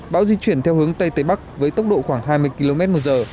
bão di chuyển theo hướng tây tây bắc với tốc độ khoảng hai mươi km một giờ